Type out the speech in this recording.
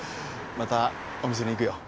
またお店に行くよ。